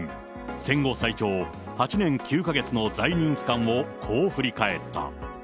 戦後最長、８年９か月の在任期間をこう振り返った。